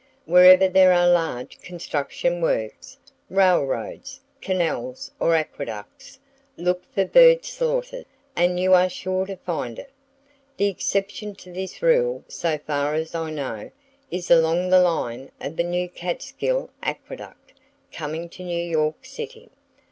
Wherever there are large construction works,—railroads, canals or aqueducts,—look for bird slaughter, and you are sure to find it. The exception to this rule, so far as I know, is along the line of the new Catskill aqueduct, coming to New York City.